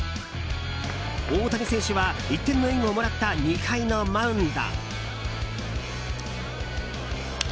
大谷選手は１点の援護をもらった２回のマウンド。